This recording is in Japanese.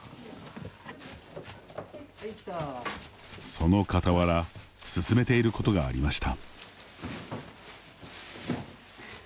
そのかたわら進めていることがありました。